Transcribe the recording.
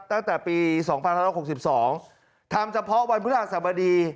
ตั้งแต่ปี๒๑๖๒ทำเฉพาะวันพฤหัสบดี